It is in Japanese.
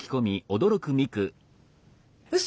うそ！？